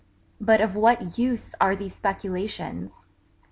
But of what use are these speculations?